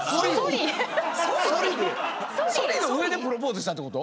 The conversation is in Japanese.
ソリの上でプロポーズしたってこと？